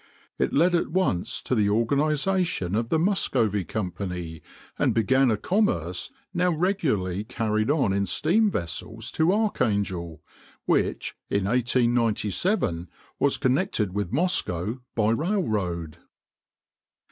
It led at once to the organization of the Muscovy Company, and began a commerce now regularly carried on in steam vessels to Archangel, which in 1897 was connected with Moscow by railroad.